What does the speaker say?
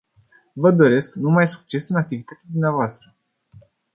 Vă doresc numai succes în activitatea dumneavoastră.